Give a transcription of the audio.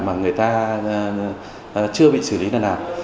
mà người ta chưa bị xử lý là nào